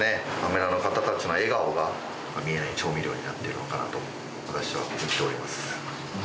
村の方たちの笑顔が見えない調味料になっているのかなと私は思っております。